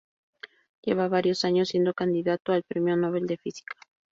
Lleva varios años siendo candidato al Premio Nobel de Física.